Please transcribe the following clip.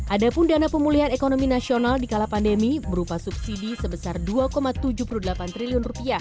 ada pun dana pemulihan ekonomi nasional di kala pandemi berupa subsidi sebesar rp dua tujuh puluh delapan triliun